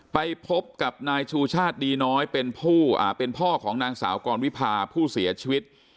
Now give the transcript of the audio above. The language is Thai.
ไปพบกับนายชูชาติดีน้อยเป็นผู้เป็นพ่อของนางสาวกรวิพาผู้เสียชีวิต